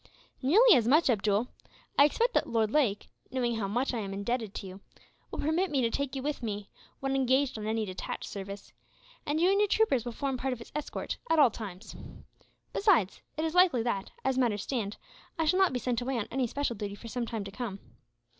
"Nearly as much, Abdool. I expect that Lord Lake, knowing how much I am indebted to you, will permit me to take you with me, when engaged on any detached service; and you and your troopers will form part of his escort, at all times. Besides, it is likely that, as matters stand, I shall not be sent away on any special duty for some time to come.